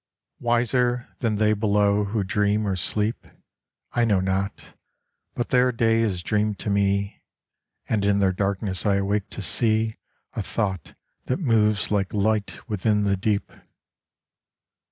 Wiser than they below who dream or sleep ? I know not ; but their day is dream to me, And in their darkness I awake to see A Thought that moves like light within the deep.